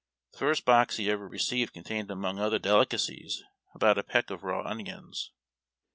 The first box he ever received contained, among other delicacies, about a peck of raw onions.